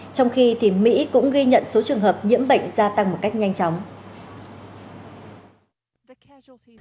trong khi mỹ cũng ghi nhận số trường hợp nhiễm bệnh gia tăng một cách nhanh chóng